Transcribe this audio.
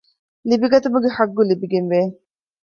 ލިބިގަތުމުގެ ޙައްޤު ލިބިގެން ވޭ